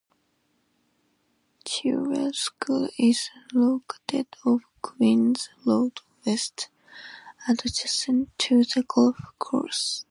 Chilwell School is located off Queens Road West adjacent to the golf course.